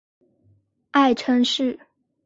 爱称是。